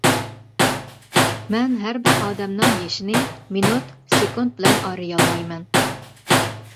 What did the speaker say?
مەن ھەر بىر ئادەمنىڭ يېشىنى مىنۇت، سېكۇنت بىلەن ئايرىيالمايمەن.